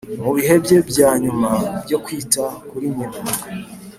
mu bihe bye bya nyuma byo kwita kuri nyina